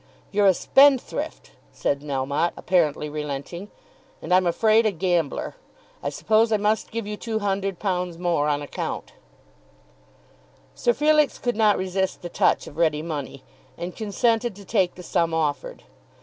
"You're a spendthrift," said Melmotte, apparently relenting, "and I'm afraid a gambler. I suppose I must give you £200 more on account." Sir Felix could not resist the touch of ready money, and consented to take the sum offered.